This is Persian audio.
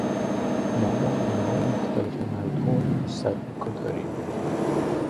ما با انواع مختلف مردم سر و کار داریم.